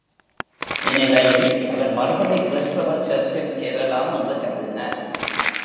இந்நிலையில் அவர் மறுபடி கிறிஸ்தவ சர்ச்சில் சேரலாம் என்று கருதினார்.